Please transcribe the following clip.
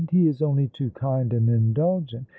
He is only too kind and indulgent.